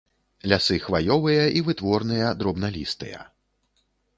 Лясы хваёвыя і вытворныя драбналістыя.